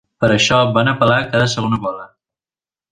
Per això, van apel·lar cada segona bola.